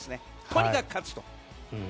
とにかく勝つと。